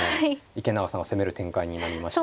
池永さんが攻める展開になりました。